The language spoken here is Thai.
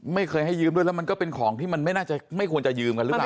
ไม่เคยให้ยืมด้วยแล้วมันก็เป็นของที่มันไม่น่าจะไม่ควรจะยืมกันหรือเปล่า